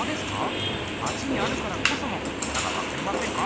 まちにあるからこそのよさがわかりませんか？